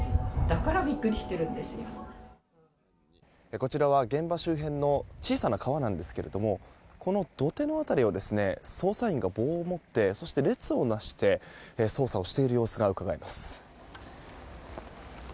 こちらは現場周辺の小さな川なんですけどもこの土手の辺りを捜査員が棒を持って列をなして捜査をしている様子がうかがえます。